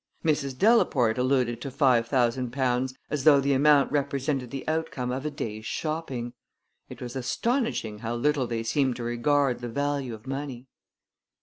Mrs. Delaporte alluded to five thousand pounds as though the amount represented the outcome of a day's shopping. It was astonishing how little they seemed to regard the value of money!